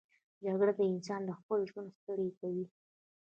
جګړه انسان له خپل ژوند ستړی کوي